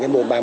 cái mục đích